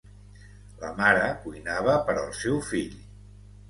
La mare cuinava per al seu fill.